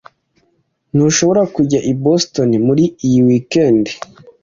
Ntushobora kujya i Boston muri iyi weekend.